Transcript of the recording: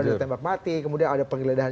ada tembak mati kemudian ada penggeledahan